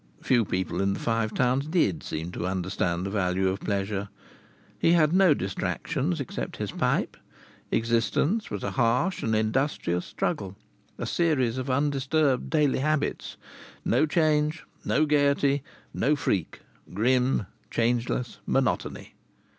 Few people in the Five Towns did seem to understand the value of pleasure. He had no distractions except his pipe. Existence was a harsh and industrious struggle, a series of undisturbed daily habits. No change, no gaiety, no freak! Grim, changeless monotony!